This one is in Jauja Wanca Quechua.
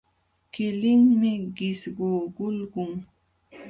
Qilinmi qisququlqun.